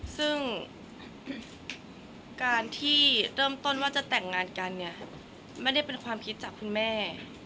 ซึ่งการที่เริ่มต้นว่าจะแต่งงานกันเนี่ยไม่ได้เป็นความคิดจากคุณแม่